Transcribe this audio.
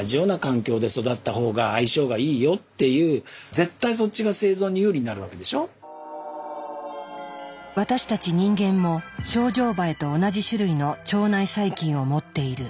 絶対そっちが私たち人間もショウジョウバエと同じ種類の腸内細菌を持っている。